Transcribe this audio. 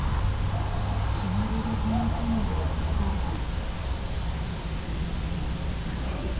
［出窓が気に入ったのはお母さん］